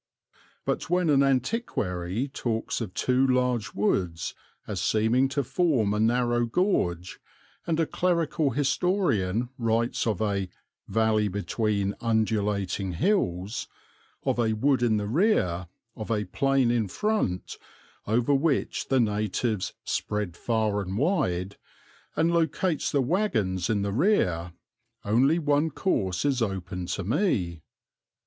But when an antiquary talks of two large woods as seeming to form a narrow gorge, and a clerical historian writes of a "valley between undulating hills," of a wood in the rear, of a plain in front over which the natives "spread far and wide," and locates the wagons in the rear, only one course is open to me.